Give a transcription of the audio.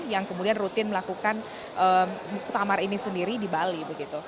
yang kemudian rutin melakukan muktamar ini sendiri di bali